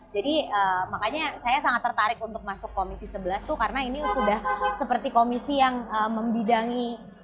jadi makanya saya sangat tertarik untuk masuk komisi sebelas tuh karena ini sudah seperti komisi yang membidangi